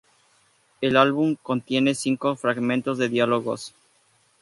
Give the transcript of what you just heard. El álbum contiene cinco fragmentos de diálogos.